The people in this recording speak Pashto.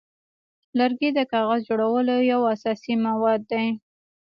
لرګی د کاغذ جوړولو یو اساسي مواد دی.